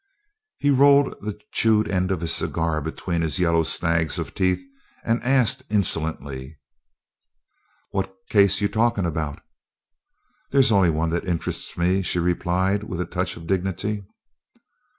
He rolled the chewed end of his cigar between his yellow snags of teeth and asked insolently: "What case you talkin' about?" "There's only one that interests me," she replied, with a touch of dignity.